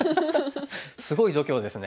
すごい度胸ですね。